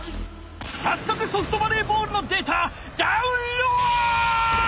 さっそくソフトバレーボールのデータダウンロード！